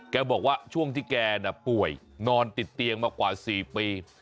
บอกว่าช่วงที่แกน่ะป่วยนอนติดเตียงมากว่า๔ปี